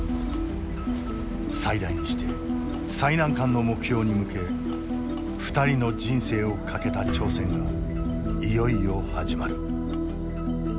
最大にして最難関の目標に向け２人の人生を懸けた挑戦がいよいよ始まる。